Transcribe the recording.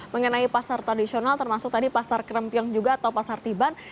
mengenai pasar tradisional termasuk tadi pasar kerempiong juga atau pasar tiban